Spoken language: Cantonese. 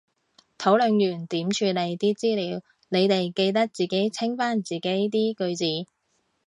討論完點處理啲資料，你哋記得自己清返自己啲句子